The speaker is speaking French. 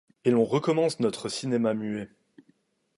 Et l'on recommence notre cinéma muet.